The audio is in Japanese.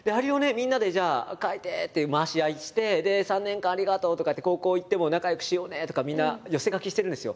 みんなで「じゃあ書いて！」って回し合いして「３年間ありがとう！」とかって「高校行っても仲よくしようね！」とかみんな寄せ書きしてるんですよ。